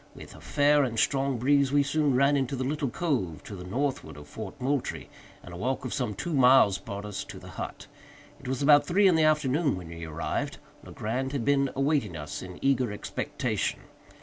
With a fair and strong breeze we soon ran into the little cove to the northward of Fort Moultrie, and a walk of some two miles brought us to the hut. It was about three in the afternoon when we arrived. Legrand had been awaiting us in eager expectation.